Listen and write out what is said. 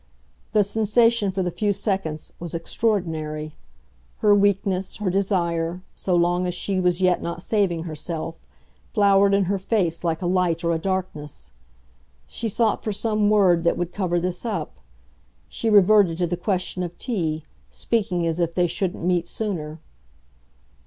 The sensation, for the few seconds, was extraordinary; her weakness, her desire, so long as she was yet not saving herself, flowered in her face like a light or a darkness. She sought for some word that would cover this up; she reverted to the question of tea, speaking as if they shouldn't meet sooner.